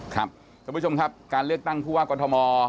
ครับสวัสดีผู้ชมครับการเลือกตั้งผู้ว่ากรทม